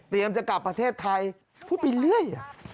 จะกลับประเทศไทยพูดไปเรื่อย